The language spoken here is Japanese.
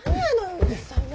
うるさいな！